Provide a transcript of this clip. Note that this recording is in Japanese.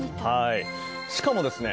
しかもですね